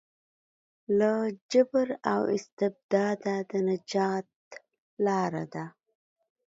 له جبر او استبداده د نجات لاره ده.